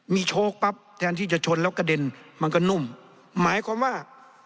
มีโชคปั๊บแทนที่จะชนแล้วกระเด็นมันก็นุ่มหมายความว่า